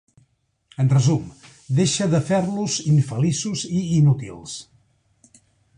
En resum, deixa de fer-los infeliços i inútils.